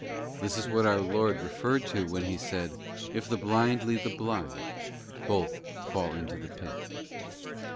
This is what our Lord referred to when He said, ' If the blind lead the blind, both fall into the pit.